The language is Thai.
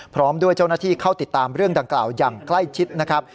พร้อมด้วยเจ้าหน้าที่เข้าติดตามเรื่องดังกล่าวอย่างใกล้ชิดนะครับ